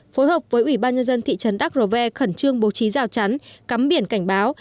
phối hợp với ủy ban nhân dân thị trấn đắc ròe khẩn trương bố trí rào chắn cắm biển cảnh báo